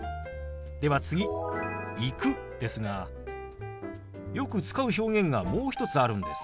では次「行く」ですがよく使う表現がもう一つあるんです。